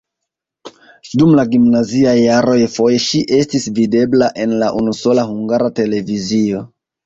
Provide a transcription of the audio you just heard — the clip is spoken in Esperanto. Dum la gimnaziaj jaroj foje ŝi estis videbla en la unusola Hungara Televizio.